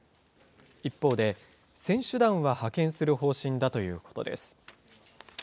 一方で、選手団は派遣する方針だということです。